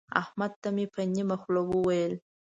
احمد ته مې په نيمه خوله وويل.